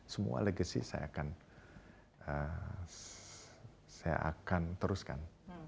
semua legasi saya akan teruskan